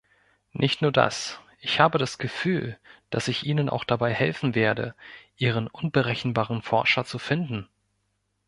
Nicht nur das, ich habe das Gefühl, dass ich Ihnen auch dabei helfen werde, Ihren unberechenbaren Forscher zu finden.